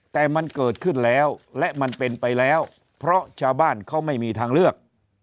แต่มันเกิดขึ้นแล้วและมันเป็นไปแล้วเพราะชาวบ้านเขาไม่มีทางเลือก